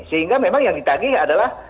sehingga memang yang ditagih adalah